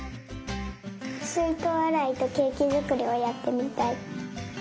すいとうあらいとケーキづくりをやってみたい。